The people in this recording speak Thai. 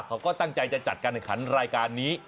เขาก็ตั้งใจจะจัดการแข่งขันรายการนี้